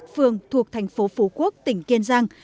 phương thuộc thành phố phú quốc tỉnh kiên giang